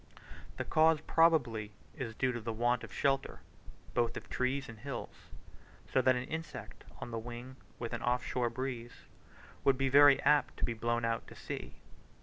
The cause probably is due to the want of shelter, both of trees and hills, so that an insect on the wing with an off shore breeze, would be very apt to be blown out to sea.